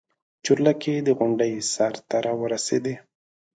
چورلکې د غونډۍ سر ته راورسېدې.